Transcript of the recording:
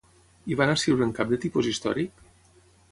I van escriure'n cap de tipus històric?